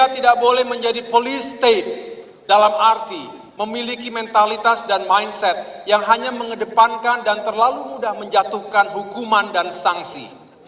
tidak boleh menjadi polis state dalam arti memiliki mentalitas dan mindset yang hanya mengedepankan dan terlalu mudah menjatuhkan hukuman dan sanksi